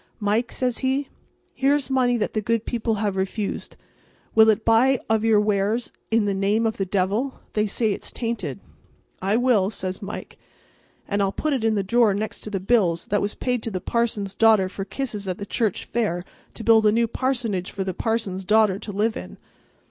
"Mike," says he, "here's money that the good people have refused. Will it buy of your wares in the name of the devil? They say it's tainted." "It will," says Mike, "and I'll put it in the drawer next to the bills that was paid to the parson's daughter for kisses at the church fair to build a new parsonage for the parson's daughter to live in."